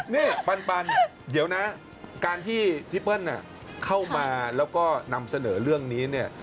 นี่ปันเดี๋ยวนะการที่พี่เปิ้ลเข้ามาแล้วก็นำเสนอเรื่องนี้เนี่ย